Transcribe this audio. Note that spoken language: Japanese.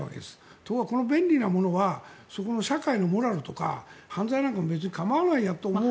ところが、この便利なものはそこの社会のモラルとか犯罪なんかも別に構わないやと思う。